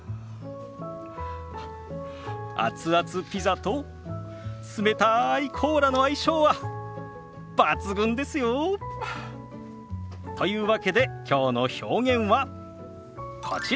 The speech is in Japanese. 熱々ピザと冷たいコーラの相性は抜群ですよ。というわけできょうの表現はこちら。